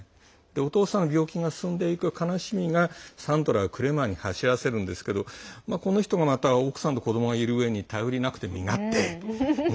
お父さんが病気が進んでいく悲しみがサンドラをクレマンに走らせるんですけどこの人もまた奥さんと子どもがいるうえに頼りないうえに身勝手。